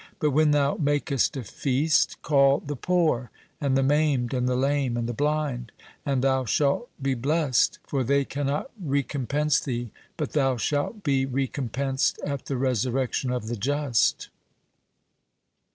But when thou makest a feast, call the poor, and the maimed, and the lame, and the blind, and thou shalt be blessed; for they cannot recompense thee, but thou shalt be recompensed at the resurrection of the just."